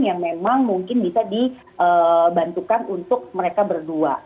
yang memang mungkin bisa dibantukan untuk mereka berdua